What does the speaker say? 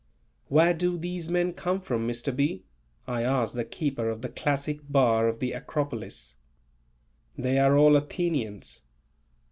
"Where do these men come from, Mr. B?" I asked the keeper of the classic bar of the "Acropolis." "They are all Athenians."